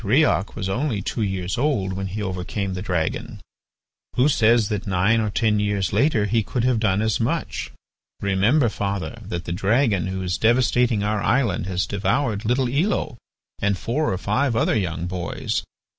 Riok was only two years old when he overcame the dragon. Who says that nine or ten years later he could have done as much? Remember, father, that the dragon who is devastating our island has devoured little Elo and four or five other young boys.